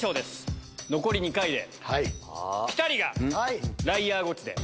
残り２回でピタリがライアーゴチで。